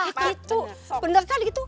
gitu bener kan gitu